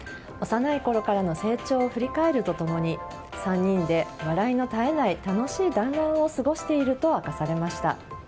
幼いころからの成長を振り返ると共に３人で笑いの絶えない楽しい団らんを過ごしていると明かされました。